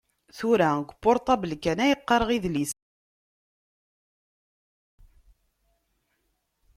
Tura deg upurṭabl kan ay qqareɣ idlisen.